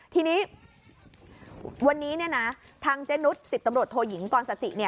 ทีนี้วันนี้ทางเจนุทธ์ศิษย์ตำรวจโทหยิงกรรศสิ